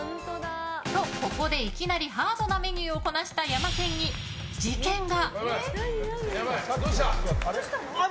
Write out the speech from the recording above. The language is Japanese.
と、ここで、いきなりハードなメニューをこなしたヤマケンに事件が。